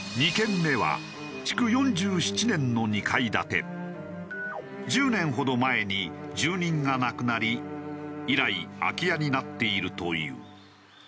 ２軒目は１０年ほど前に住人が亡くなり以来空き家になっているという。